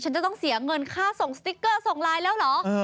จะต้องเสียเงินค่าส่งสติ๊กเกอร์ส่งไลน์แล้วเหรอ